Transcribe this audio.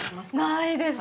◆ないです。